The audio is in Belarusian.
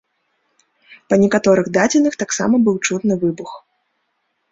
Па некаторых дадзеных, таксама быў чутны выбух.